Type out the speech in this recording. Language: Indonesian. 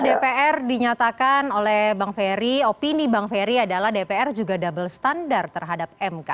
dpr dinyatakan oleh bang ferry opini bang ferry adalah dpr juga double standard terhadap mk